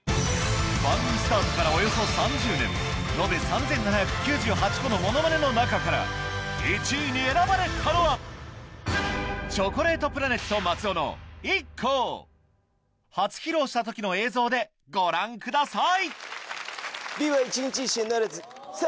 番組スタートからおよそ３０年延べ３７９８個のものまねの中から１位に選ばれたのは⁉初披露した時の映像でご覧ください！